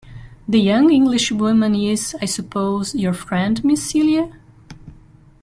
The young Englishwoman is, I suppose, your friend Miss Celia?